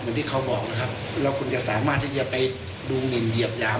ที่เขาบอกนะครับแล้วคุณจะสามารถที่จะไปดูหมินเหยียบหยาม